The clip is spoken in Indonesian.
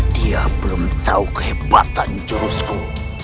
dia belum tahu kehebatan jurusko